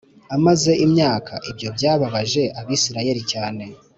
amaze imyaka Ibyo byababaje Abisirayeli cyane